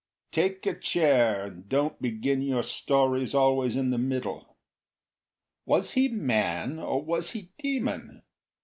Take a chair; and don't begin your stories always in the middle. Was he man, or was he demon?